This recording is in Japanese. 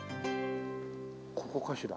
ここかしら？